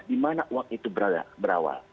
di mana uang itu berawal